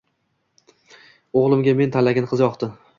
O`g`limga men tanlagan qiz yoqdi